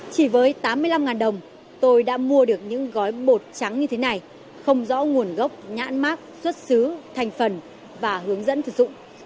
chỉ với tám mươi năm đồng tôi đã mua được những gói bột trắng như thế này không rõ nguồn gốc nhãn mát xuất xứ thành phần và hướng dẫn sử dụng